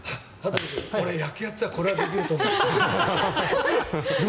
野球やってたらこれはできると思う。